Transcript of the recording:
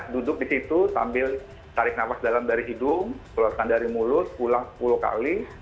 duduk di situ sambil tarik nafas dalam dari hidung keluarkan dari mulut ulang sepuluh kali